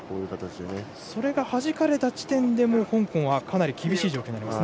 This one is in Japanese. それがはじかれた時点で香港はかなり厳しい状況になります。